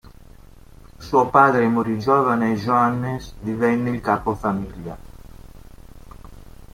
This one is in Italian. Suo padre morì giovane e Johannes divenne il capofamiglia.